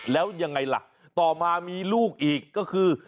แล้วยังไงล่ะต่อมามีลูกอีกก็คือ